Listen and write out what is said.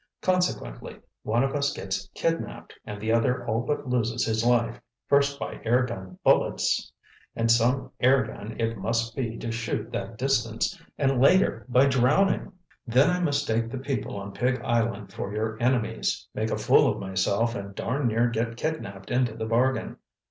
Consequently, one of us gets kidnapped, and the other all but loses his life, first by airgun bullets—and some airgun it must be to shoot that distance—and later, by drowning. Then I mistake the people on Pig Island for your enemies, make a fool of myself and darn near get kidnapped into the bargain.